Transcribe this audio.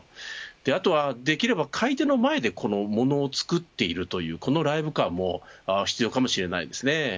あとは、できれば買い手の前でものを作っているというライブ感も必要かもしれません。